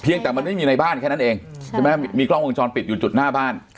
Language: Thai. ยังแต่มันไม่มีในบ้านแค่นั้นเองใช่ไหมมีกล้องวงจรปิดอยู่จุดหน้าบ้าน